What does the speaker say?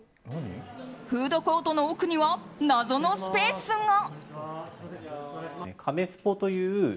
フードコートの奥には謎のスペースが。